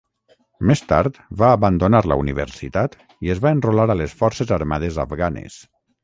Més tard va abandonar la universitat i es va enrolar a les Forçes Armades Afganes.